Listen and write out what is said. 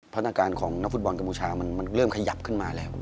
พัฒนาการของนักฟุตบอลกัมพูชามันเริ่มขยับขึ้นมาแล้ว